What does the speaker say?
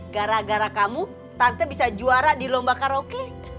gara gara kamu tante bisa juara di lomba karaoke